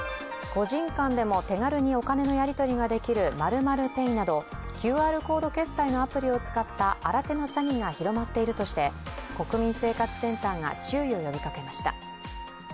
個人間でも手軽にお金のやりとりができる○○ペイなどＱＲコード決済のアプリを使った新手の詐欺が広まっているとして国民生活センターが注意を呼びかけました。